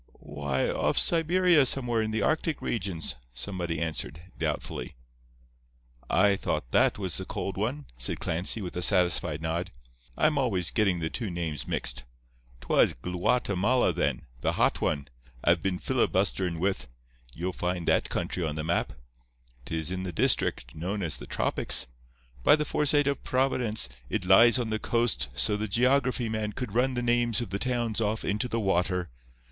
"Why, off Siberia somewhere in the Arctic regions," somebody answered, doubtfully. "I thought that was the cold one," said Clancy, with a satisfied nod. "I'm always gettin' the two names mixed. 'Twas Guatemala, then—the hot one—I've been filibusterin' with. Ye'll find that country on the map. 'Tis in the district known as the tropics. By the foresight of Providence, it lies on the coast so the geography man could run the names of the towns off into the water.